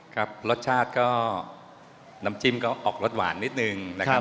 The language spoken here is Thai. ครับรสชาติก็น้ำจิ้มก็ออกรสหวานนิดนึงนะครับ